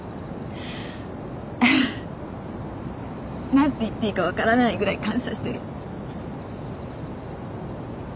何て言っていいか分からないぐらい感謝してる。